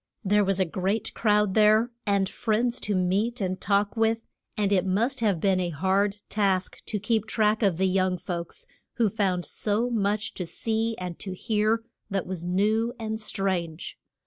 There was a great crowd there, and friends to meet and talk with, and it must have been a hard task to keep track of the young folks, who found so much to see and to hear that was new and strange.